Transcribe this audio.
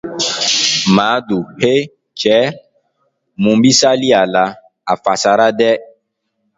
maadu: he! cɛɛ, mun bi saliya la? a fasara dɛ!